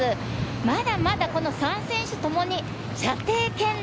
まだまだこの３選手ともに射程圏内。